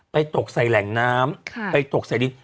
ตกใส่แหล่งน้ำไปตกใส่ดิน